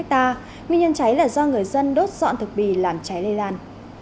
nguyên nhân cháy là do người dân đốt dọn thực bì làm cháy lây lan